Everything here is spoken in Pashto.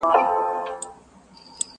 د آدم خان د رباب زور وو اوس به وي او کنه٫